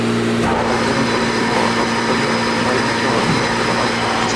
Al ser un colectivo rotatorio, no hay un solo líder de la banda.